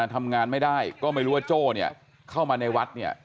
ทำงานไม่ได้ก็ไม่รู้ว่าโจ้เนี่ยเข้ามาในวัดเนี่ย